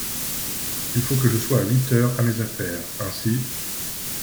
Il faut que je sois à huit heures à mes affaires, ainsi…